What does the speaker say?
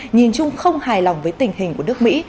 nhìn chung không hài lòng với tình hình của nước mỹ